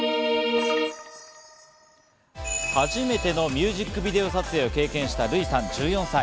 初めてのミュージックビデオ撮影を経験したＲＵＩさん１４歳。